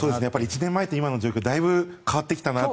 １年前と今の状況はだいぶ変わってきたなと。